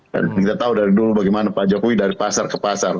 dan kita tahu dari dulu bagaimana pak jokowi dari pasar ke pasar